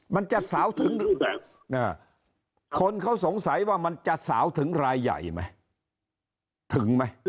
มันจะสาวถึงรูปแบบคนเขาสงสัยว่ามันจะสาวถึงรายใหญ่ไหมถึงไหม